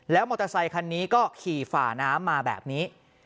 มอเตอร์ไซคันนี้ก็ขี่ฝ่าน้ำมาแบบนี้